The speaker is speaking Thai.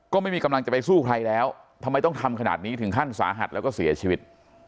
ก็ไม่มีกำลังจะไปสู้ใครแล้วทำไมต้องทำขนาดนี้ถึงขั้นสาหัสแล้วก็เสียชีวิต